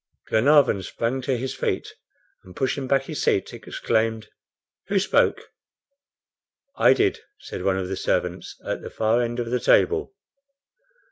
Glenarvan sprang to his feet, and pushing back his seat, exclaimed: "Who spoke?" "I did," said one of the servants, at the far end of the table.